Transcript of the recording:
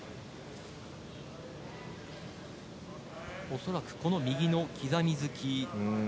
恐らくこの右の刻み突き。